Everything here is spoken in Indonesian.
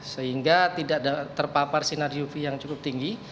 sehingga tidak terpapar sinar uv yang cukup tinggi